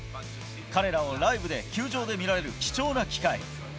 彼らをライブで球場で見られる貴重な機会。